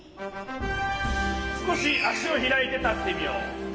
すこしあしをひらいてたってみよう。